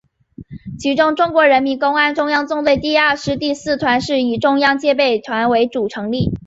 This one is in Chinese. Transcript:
其中中国人民公安中央纵队第二师第四团是以中央警备团为主成立。